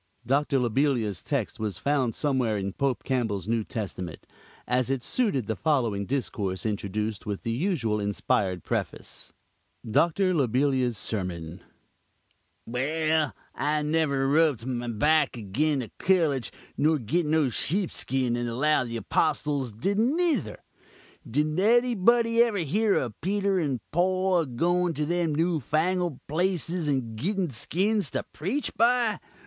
Doctor Lobelia's text was found somewhere in Pope Campbell's New Testament; as it suited the following discourse introduced with the usual inspired preface: DOCTOR LOBELIA'S SERMON "Well, I never rub'd my back agin a collige, nor git no sheepskin, and allow the Apostuls didn't nither. Did anybody ever hear of Peter and Poll a goin' to them new fangled places and gitten skins to preach by?